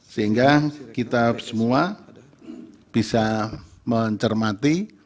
sehingga kita semua bisa mencermati